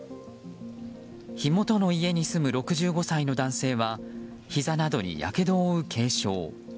火元の家に住む６５歳の男性はひざなどにやけどを負う軽傷。